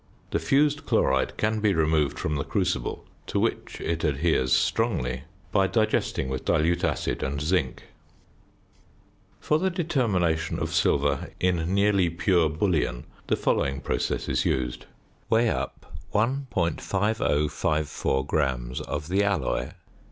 The fused chloride can be removed from the crucible (to which it adheres strongly) by digesting with dilute acid and zinc. For the determination of silver in nearly pure bullion the following process is used: Weigh up 1.5054 gram of the alloy.